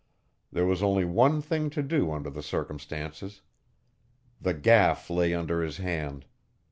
There was only one thing to do under the circumstances. The gaff lay under his hand.